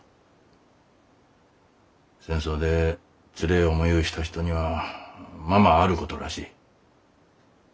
戦争でつれえ思ゆうした人にはままあることらしい。